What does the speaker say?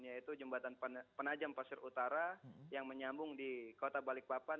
yaitu jembatan penajam pasir utara yang menyambung di kota balikpapan